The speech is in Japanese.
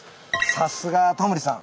さすがタモリさん。